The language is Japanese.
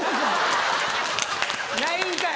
ないんかい！